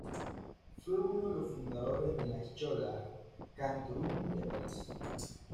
Fue uno de los fundadores de la Schola Cantorum de París.